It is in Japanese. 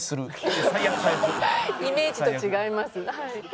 イメージと違いますはい。